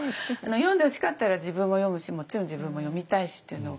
読んでほしかったら自分も読むしもちろん自分も読みたいしっていうのを。